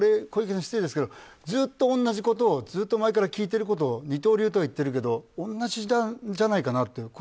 小池さんに失礼だけどずっと同じことをずっと前から聞いていることを二刀流とは言ってるけど同じじゃないかなって。